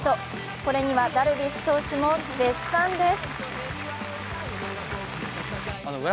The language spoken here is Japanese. これにはダルビッシュ投手も絶賛です。